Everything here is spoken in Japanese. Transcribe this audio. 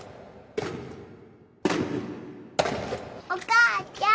お母ちゃん？